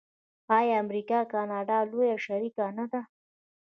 آیا امریکا د کاناډا لوی شریک نه دی؟